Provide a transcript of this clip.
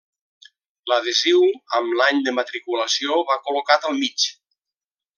L'adhesiu amb l'any de matriculació va col·locat al mig.